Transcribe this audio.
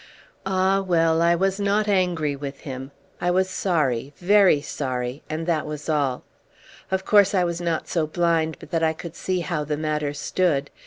Ah well, I was not angry with him. I was sorry, very sorry, and that was all. Of course I was not so blind but that I could see how the matter stood.